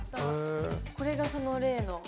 これがその例の。